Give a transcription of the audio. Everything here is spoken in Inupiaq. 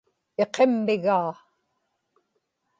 iqimmigaa